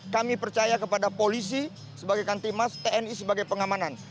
kami percaya kepada polisi sebagai kantimas tni sebagai pengamanan